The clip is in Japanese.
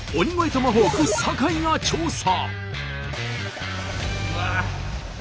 トマホーク坂井が調査！